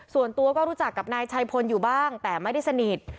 ส่วนตัวก็รู้จักกับนายชัยพลอยู่บ้างแต่ไม่ได้สนิท